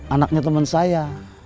anaknya temen saya